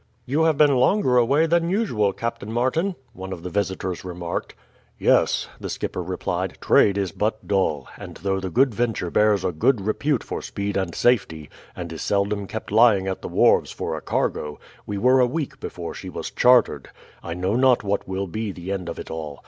"You have been longer away than usual, Captain Martin," one of the visitors remarked. "Yes," the skipper replied. "Trade is but dull, and though the Good Venture bears a good repute for speed and safety, and is seldom kept lying at the wharves for a cargo, we were a week before she was chartered. I know not what will be the end of it all.